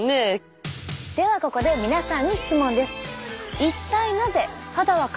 ではここで皆さんに質問です。